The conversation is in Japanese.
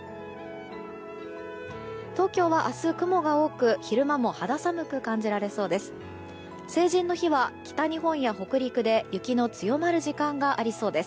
東京は明日、雲が多く昼間も肌寒く感じられそうです。